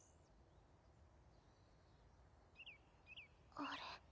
あれ？